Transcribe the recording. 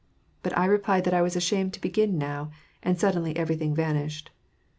But I replied that I was ashamed to begin now, and sud denly everything vanished.